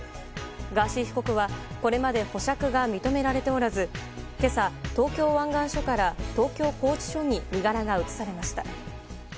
ガーシー被告はこれまで保釈が認められておらず今朝、東京湾岸署から東京拘置所に身柄が移されました。